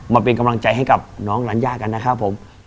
มาเป็นกำลังใจให้กับน้องลัญญากันนะครับผม